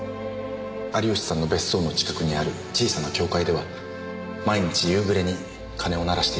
有吉さんの別荘の近くにある小さな教会では毎日夕暮れに鐘を鳴らしていました。